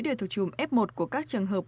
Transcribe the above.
đều thuộc chùm f một của các trường hợp